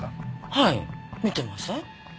はい見てません。